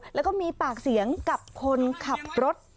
แล้วก็มีปากเสียงกับคนขับรถ